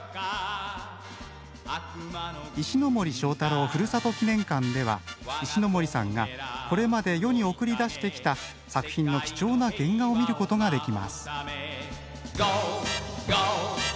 石森章太郎ふるさと記念館では石森さんがこれまで世に送り出してきた作品の貴重な原画を見ることができます。